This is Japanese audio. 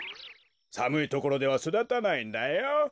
さむいところではそだたないんだよ。